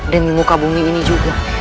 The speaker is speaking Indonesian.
dan di muka bumi ini juga